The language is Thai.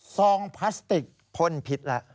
ซองพลาสติกพนผิดล่ะ